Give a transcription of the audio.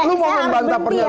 lu mau membantah perintah